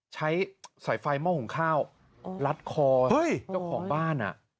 ใช้สายไฟเมาะของข้าวอ๋อลัดคอเฮ้ยเจ้าของบ้านอ่ะ